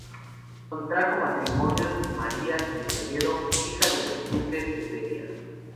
Contrajo matrimonio María de Toledo, hija de los duques de Feria.